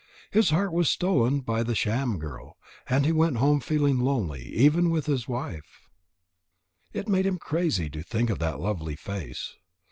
His heart was stolen by the sham girl, and he went home feeling lonely even with his wife. It made him crazy to think of that lovely face.